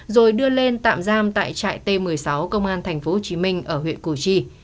rồi đưa lên tạm giam tại trại t một mươi sáu công an tp hcm ở huyện củ chi